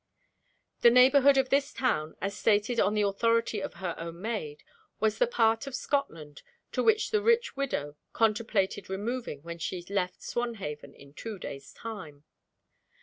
The neighborhood of this town as stated on the authority of her own maid was the part of Scotland to which the rich widow contemplated removing when she left Swanhaven in two days' time.